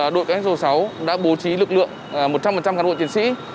đội cảnh sát giao thông đã bố trí lực lượng một trăm linh cán bộ tiến sĩ